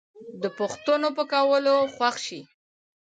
د پوښتنو په کولو خوښ شئ